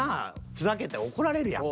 ふざけて怒られるやん。